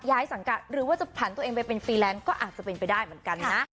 สังกัดหรือว่าจะผ่านตัวเองไปเป็นฟรีแลนซ์ก็อาจจะเป็นไปได้เหมือนกันนะ